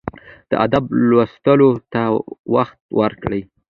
د ادب لوستلو ته وخت ورکړئ.